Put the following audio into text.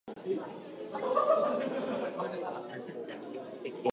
買掛金